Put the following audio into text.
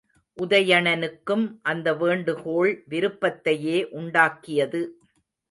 உதயணனுக்கும் அந்த வேண்டுகோள் விருப்பத்தையே உண்டாக்கியது.